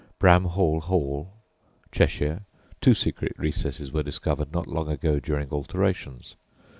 Bramhall Hall, Cheshire two secret recesses were discovered not long ago during alterations.